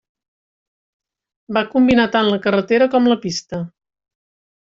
Va combinar tant la carretera com la pista.